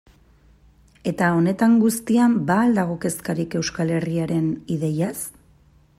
Eta honetan guztian ba al dago kezkarik Euskal Herriaren ideiaz?